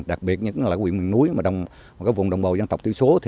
đặc biệt là huyện miền núi và vùng đồng bằng dân tộc tự số